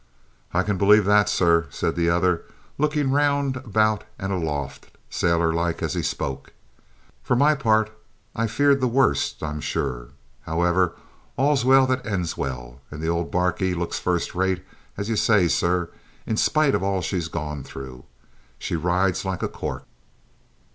"I can quite believe that, sir," said the other, looking round about and aloft, sailor like, as he spoke. "For my part I feared the worst, I'm sure. However, all's well that ends well, and the old barquey looks first rate, as you say, sir, in spite of all she's gone through. She rides like a cork."